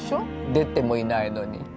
出てもいないのに。